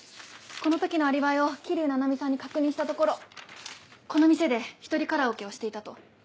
この時のアリバイを桐生菜々美さんに確認したところこの店でひとりカラオケをしていたと。